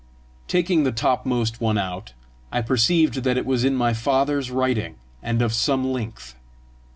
Taking the topmost one out, I perceived that it was in my father's writing and of some length.